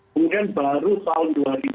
kemudian baru tahun dua ribu dua puluh